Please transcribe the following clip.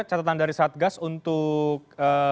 catatan dari satgas untuk